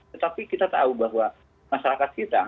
tetapi kita tahu bahwa masyarakat kita